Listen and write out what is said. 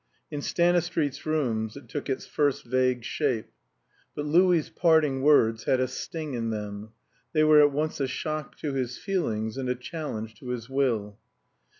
In Stanistreet's rooms it took its first vague shape. But Louis's parting words had a sting in them; they were at once a shock to his feelings and a challenge to his will.